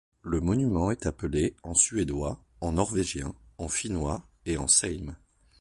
Le monument est appelé en suédois, en norvégien, en finnois et en same.